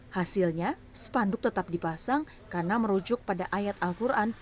hasilnya spanduk tetap dipasang karena merujuk pada ayat al quran